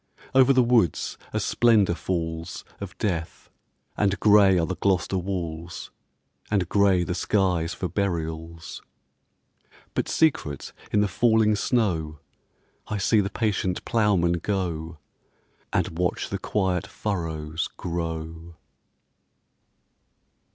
Over the woods a splendour falls Of death, and grey are the Gloucester walls, And grey the skies for burials. But secret in the falling snow I see the patient ploughman go, And watch the quiet furrows grow.